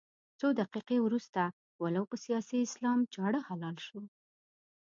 څو دقيقې وروسته ولو په سیاسي اسلام چاړه حلال شو.